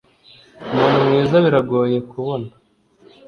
umuntu mwiza biragoye kubona